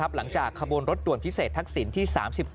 หลังจากขบวนรถด่วนพิเศษทักษิณที่๓๗